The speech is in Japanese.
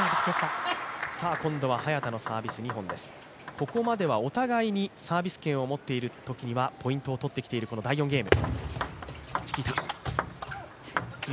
ここまではお互いにサービス権を持っているときにはポイントを取ってきている第４ゲーム。